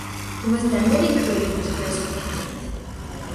It was then that he created his first paintings.